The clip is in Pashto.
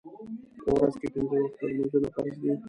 په ورځ کې پنځه وخته لمونځ فرض دی.